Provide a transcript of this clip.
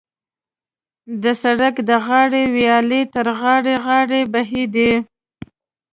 د سړک د غاړې ویالې تر غاړې غاړې بهېدې.